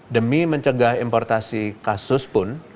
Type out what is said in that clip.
demi mencegah importasi kasus pun